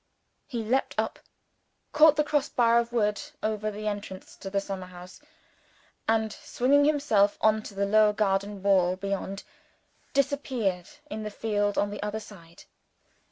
He leapt up; caught the cross bar of wood over the entrance to the summer house; and, swinging himself on to the low garden wall beyond, disappeared in the field on the other side.